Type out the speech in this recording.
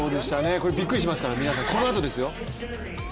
これびっくりしますから皆さん、このあとですよ。